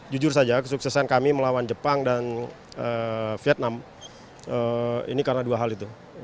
jujur saja kesuksesan kami melawan jepang dan vietnam ini karena dua hal itu